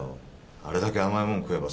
あれだけ甘いもの食えば